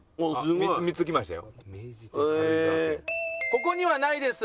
ここにはないです。